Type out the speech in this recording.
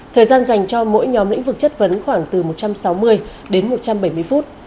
thời gian dành cho mỗi nhóm lĩnh vực chất vấn khoảng từ một trăm sáu mươi đến một trăm bảy mươi phút